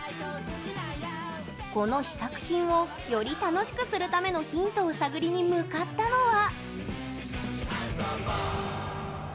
この試作品をより楽しくするためのヒントを探りに向かったのは。